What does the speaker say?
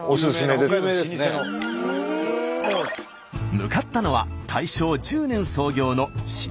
向かったのは大正１０年創業の老舗菓子店。